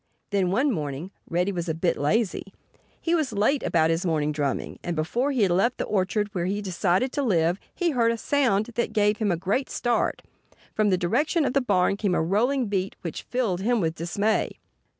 Then, one morning, Reddy was a bit lazy. He was late about his morning drumming. And before he had left the orchard where he had decided to live he heard a sound that gave him a great start. From the direction of the barn came a rolling beat which filled him with dismay.